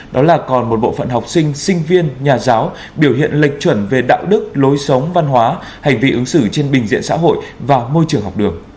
đó là còn một bộ phận học sinh sinh viên nhà giáo biểu hiện lệch chuẩn về đạo đức lối sống văn hóa hành vi ứng xử trên bình diện xã hội và môi trường học đường